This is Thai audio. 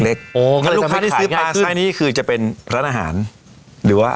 อ๋อลูกค้าที่ซื้อปลาไซส์นี้คือจะเป็นร้านอาหารหรือว่า